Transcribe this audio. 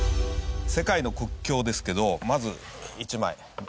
世界の国境ですけどまず１枚。